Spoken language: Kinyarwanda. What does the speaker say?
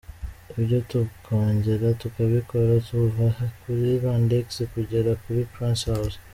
Ibyo tukongera tukabikora kuva kuri Rwandex kugera kuri Prince House.